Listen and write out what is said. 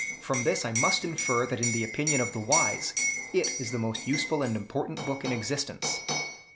From this I must infer that in the opinion of the wise, it is the most useful and important book in existence."